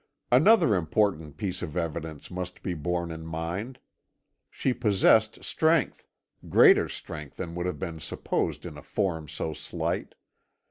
"Another important piece of evidence must be borne in mind. She possessed strength, greater strength than would have been supposed in a form so slight.